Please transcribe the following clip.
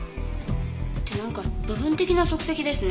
ってなんか部分的な足跡ですね。